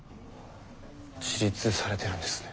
自立されてるんですね。